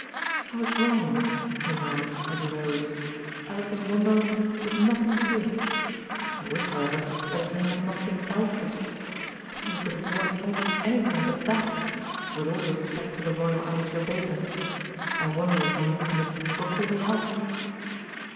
"I was wrong," he murmured, as he rose. "Alice in Wonderland was nothing to it. I wish, however, WHAT THE BUTLER TOLD 53 that his name had not been Alfred. I think I could have borne almost anything but that, with all respect to the royal amateur baker. I wonder if my intimates will call me Alf."